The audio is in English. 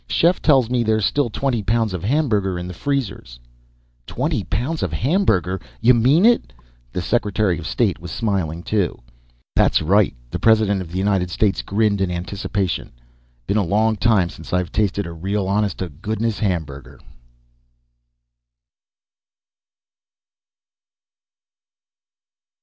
Chef tells me there's still twenty pounds of hamburger in the freezers." "Twenty pounds of hamburger? You mean it?" The Secretary of State was smiling, too. "That's right." The President of the United States grinned in anticipation. "Been a long time since I've tasted a real, honest to goodness hamburger."